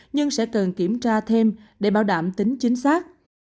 nhưng sẽ cần kiểm tra thêm để bảo đảm tính chính xác